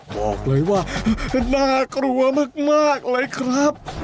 บอกเลยว่าน่ากลัวมากเลยครับ